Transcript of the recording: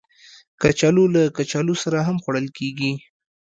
کچالو له کچالو سره هم خوړل کېږي